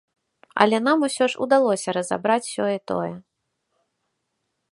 Але нам усё ж удалося разабраць сёе-тое.